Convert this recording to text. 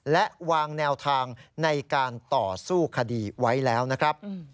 และวางแนวทางในการต่อสู้คดีไว้แล้วนะครับ